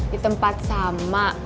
di tempat sama